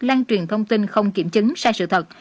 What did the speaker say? lan truyền thông tin không kiểm chứng sai sự thật